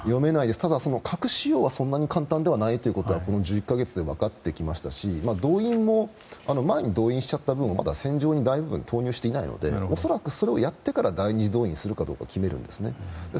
ただ、核使用はそんなに簡単ではないとこの１１か月で分かってきましたし前に動員した分を戦場に投入していないので恐らく、それをやってから第２次動員するかどうか決めるんですね。